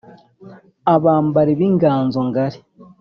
. Abambali b'inganzo ngali